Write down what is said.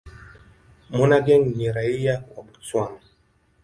Monageng ni raia wa Botswana.